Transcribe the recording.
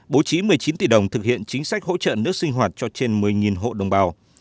bố trí một mươi chín tỷ đồng thực hiện chính sách hỗ trợ nước sinh hoạt cho trên một mươi hộ đồng bào